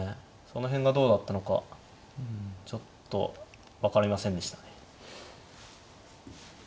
その辺がどうだったのかちょっと分かりませんでしたね。